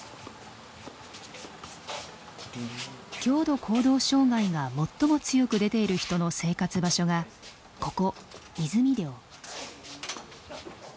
強度行動障害が最も強く出ている人の生活場所がここ泉寮。